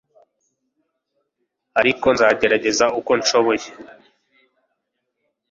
Ariko nzagerageza uko nshoboye